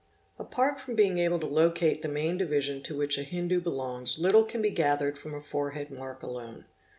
Apart from being able to locate the main division to which a Hindu CASTE 847 belongs little can be gathered from a forehead mark alone.